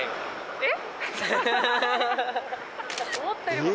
えっ！